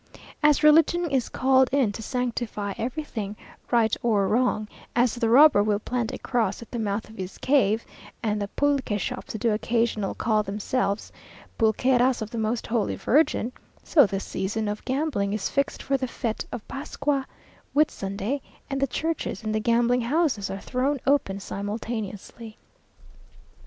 As religion is called in to sanctify everything, right or wrong; as the robber will plant a cross at the mouth of his cave, and the pulque shops do occasionally call themselves "Pulquerias of the Most Holy Virgin," so this season of gambling is fixed for the fête of Pascua (Whitsunday), and the churches and the gambling houses are thrown open simultaneously.